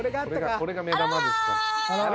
これが目玉ですから。